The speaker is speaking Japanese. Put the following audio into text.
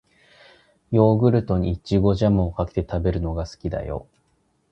ヨーグルトに、いちごジャムをかけて食べるのが好きだよ。